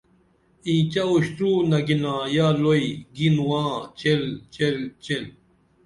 اینچہ اُشتُرُو نگِنا یا لُوئی گی نواں چیل چیل چیل